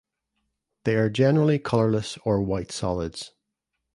They are generally colorless or white solids.